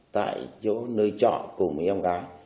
tại chỗ nơi trọ cùng với em gái